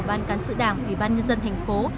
ban cán sự đảng ủy ban dân thành phố